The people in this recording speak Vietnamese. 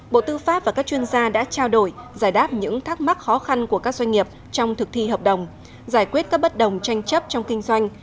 bộ tư pháp và các chuyên gia đã trao đổi giải đáp những thắc mắc khó khăn của các doanh nghiệp trong thực thi hợp đồng giải quyết các bất đồng tranh chấp trong kinh doanh